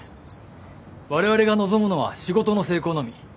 われわれが望むのは仕事の成功のみ。